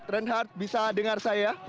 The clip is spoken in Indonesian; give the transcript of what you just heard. reinhardt bisa dengar saya